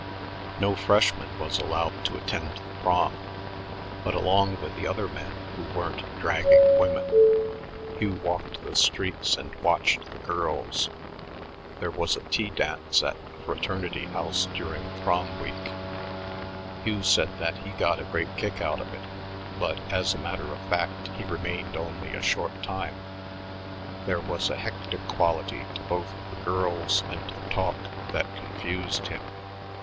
No freshman was allowed to attend the Prom, but along with the other men who weren't "dragging women" Hugh walked the streets and watched the girls. There was a tea dance at the fraternity house during Prom week. Hugh said that he got a great kick out of it, but, as a matter of fact, he remained only a short time; there was a hectic quality to both the girls and the talk that confused him.